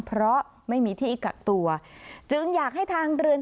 เพราะไม่มีที่กักตัวจึงอยากให้ทางเรือน